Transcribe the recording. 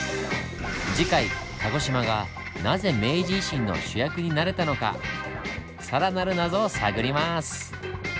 次回鹿児島がなぜ明治維新の主役になれたのか更なる謎を探ります！